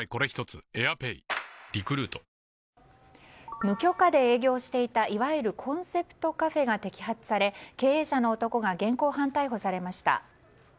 無許可で営業していたいわゆるコンセプトカフェが摘発され経営者の男が現行犯逮捕されました。